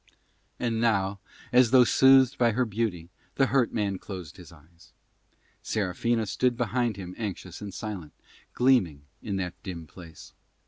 And now, as though soothed by her beauty, the hurt man closed his eyes. Serafina stood beside him anxious and silent, gleaming in that dim place.